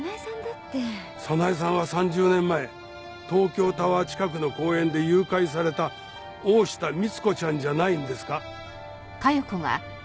早苗さんは３０年前東京タワー近くの公園で誘拐された大下光子ちゃんじゃないんですか？